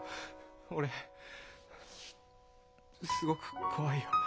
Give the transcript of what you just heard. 俺すごく怖いよ。